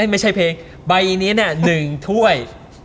ไม่ใช่เพลงใบนี้๑ถ้วย